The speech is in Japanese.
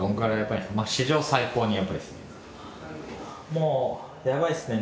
もうやばいですね